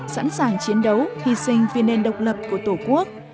sẵn sàng chiến đấu hy sinh vì nền độc lập của tổ quốc